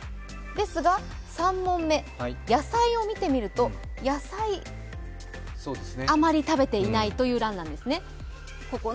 ですが、３問目、野菜を見てみると野菜、あまり食べていないという欄なんですね。